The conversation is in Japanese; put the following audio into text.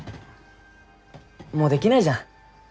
もうできないじゃん